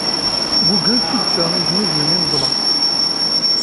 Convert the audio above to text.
Google d tuddsa i yesnuzun imeẓla.